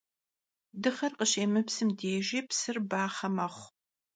Dığer khışêmıpsım dêjji psır baxhe mexhu.